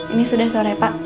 ini sudah sore pak